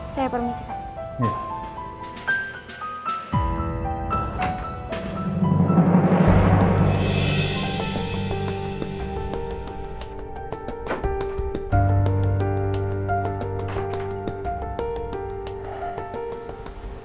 saya permisi pak